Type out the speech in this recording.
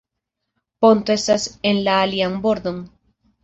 Ponto estas en la alian bordon.